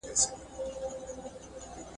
پر سجده ورته پراته وای عالمونه .